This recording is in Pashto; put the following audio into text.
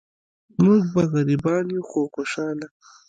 مونږ به غریبان یو خو خوشحاله.